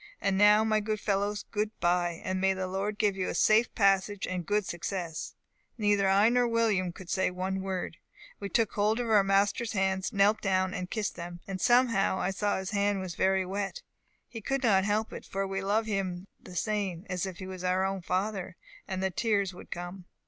And now, my good fellows, good bye! and may the Lord give you a safe passage and good success!' Neither I nor William could say one word. We took hold of master's hands, knelt down, and kissed them. And, somehow, I saw his hand was very wet; we could not help it, for we love him the same as if he was our father, and the tears would come.